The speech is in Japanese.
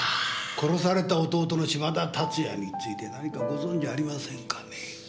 殺された弟の嶋田龍哉について何かご存じありませんかね。